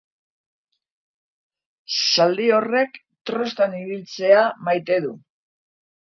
Zaldi horrek trostan ibiltzea maite du.